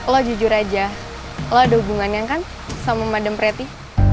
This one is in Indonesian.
lo jujur aja lo ada hubungannya kan sama madem preti